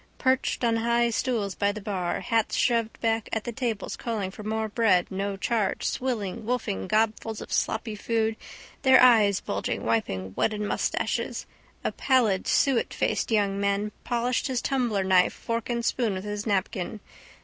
Perched on high stools by the bar, hats shoved back, at the tables calling for more bread no charge, swilling, wolfing gobfuls of sloppy food, their eyes bulging, wiping wetted moustaches. A pallid suetfaced young man polished his tumbler knife fork and spoon with his napkin.